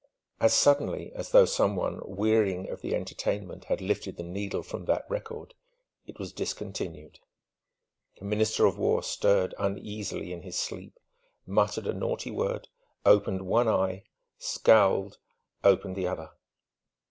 As suddenly as though some one, wearying of the entertainment, had lifted the needle from that record, it was discontinued. The Minister of War stirred uneasily in his sleep, muttered a naughty word, opened one eye, scowled, opened the other.